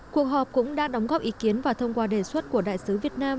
cuộc họp cũng đã đóng góp ý kiến và thông qua đề xuất của đại sứ việt nam